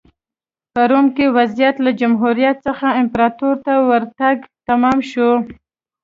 په روم کې وضعیت له جمهوریت څخه امپراتورۍ ته ورتګ تمام شو